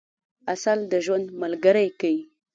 عسل د ژوند ملګری کئ.